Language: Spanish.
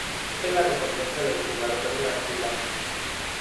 Esta es la recompensa del jugador de las filas.